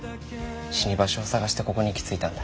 死に場所を探してここに行き着いたんだ。